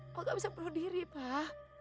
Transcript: papa nggak bisa berdiri pak